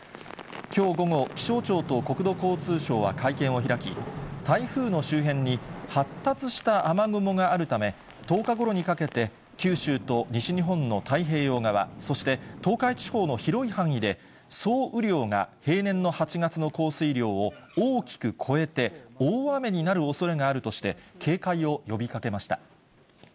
きょう午後、気象庁と国土交通省は会見を開き、台風の周辺に発達した雨雲があるため、１０日ごろにかけて、九州と西日本の太平洋側、そして東海地方の広い範囲で、総雨量が平年の８月の降水量を大きく超えて、大雨になるおそれがあるとして、警戒を呼びかけました。